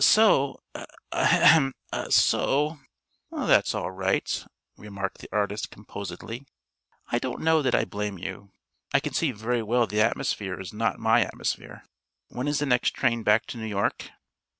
So ; ahem! so " "That's all right," remarked the artist composedly. "I don't know that I blame you. I can see very well the atmosphere is not my atmosphere. When is the next train back to New York?"